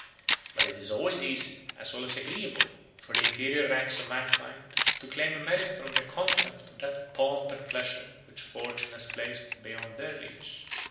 But it is always easy, as well as agreeable, for the inferior ranks of mankind to claim a merit from the contempt of that pomp and pleasure which fortune has placed beyond their reach.